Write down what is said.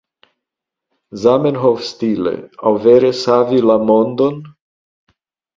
Zamenhof-stile? aŭ vere savi la mondon?